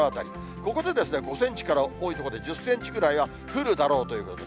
ここで５センチから、多い所で１０センチくらいは降るだろうということです。